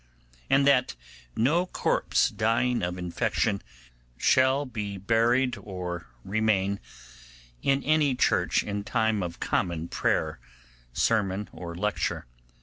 'And that no corpse dying of infection shall be buried, or remain in any church in time of common prayer, sermon, or lecture.